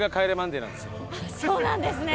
そうなんですね。